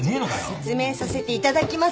説明させていただきますよ。